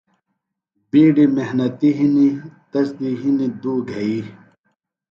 بِیڈیۡ محنِتی ِہنیۡ، تس دی ہنیۡ ُدو گھئی